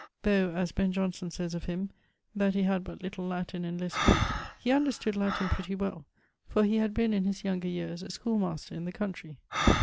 Though, as Ben: Johnson sayes of him, that he had but little Latine and lesse Greek, he understood Latine pretty well, for he had been in his younger yeares a schoolmaster in the countrey.